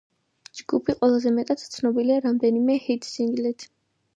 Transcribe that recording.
ჯგუფი ყველაზე მეტად ცნობილია რამდენიმე ჰიტ-სინგლით.